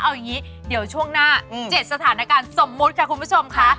เอาอย่างนี้เดี๋ยวช่วงหน้า๗สถานการณ์สมมุติค่ะคุณผู้ชมค่ะ